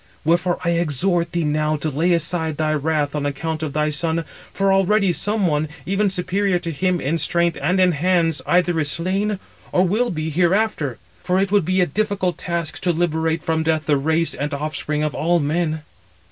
Wherefore I exhort thee now to lay aside thy wrath on account of thy son, for already some one, even superior to him in strength and in hands, either is slain, or will be hereafter; for it would be a difficult task to liberate [from death] the race and offspring of all men."